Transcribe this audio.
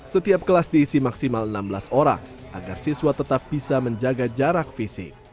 setiap kelas diisi maksimal enam belas orang agar siswa tetap bisa menjaga jarak fisik